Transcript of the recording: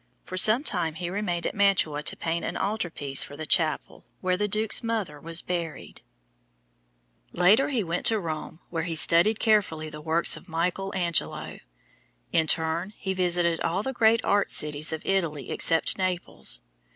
For some time he remained at Mantua to paint an altar piece for the chapel where the Duke's mother was buried. [Illustration: HOLY FAMILY Rubens (Pette Gallery, Florence)] Later he went to Rome where he studied carefully the works of Michael Angelo. In turn he visited all the great art cities of Italy except Naples.